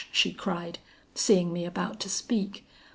she cried, seeing me about to speak.